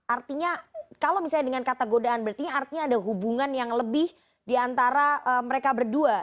artinya kalau misalnya dengan kata godaan berarti artinya ada hubungan yang lebih diantara mereka berdua